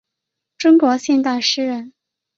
中国现代诗人。